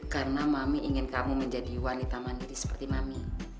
karena mami ingin kamu menjadi wanita mandiri seperti mami